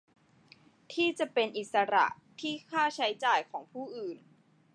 ที่จะเป็นอิสระที่ค่าใช้จ่ายของผู้อื่น